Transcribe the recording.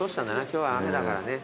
今日雨だからね。